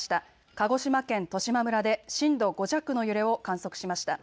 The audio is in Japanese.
鹿児島県十島村で震度５弱の揺れを観測しました。